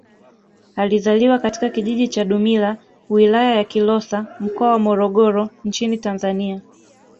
Alizaliwa katika kijiji cha Dumila Wilaya ya Kilosa Mkoa wa Morogoro nchini Tanzania